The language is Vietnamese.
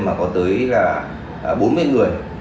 mà có tới bốn mươi người